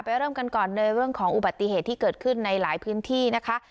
เริ่มกันก่อนเลยเรื่องของอุบัติเหตุที่เกิดขึ้นในหลายพื้นที่นะคะ